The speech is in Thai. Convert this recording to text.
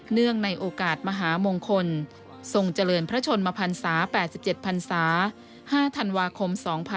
เนื่องในโอกาสมหามงคลทรงเจริญพระชนมพันศา๘๗พันศา๕ธันวาคม๒๕๖๒